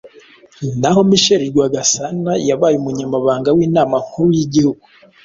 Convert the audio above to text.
Naho Michel Rwagasana yabaye umunyamabanga w’Inama nkuru y’igihugu